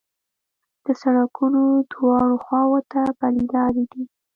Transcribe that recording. د سړکونو دواړو خواوو ته پلي لارې دي.